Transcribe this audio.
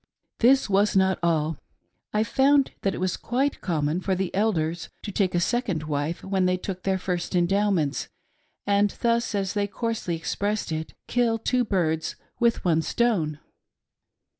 This was not all. I found that it was quite common for the Elders to take a second wife when they took their first Endowments, and thus, as they coarsely expressed it, " kill two birds with one stone."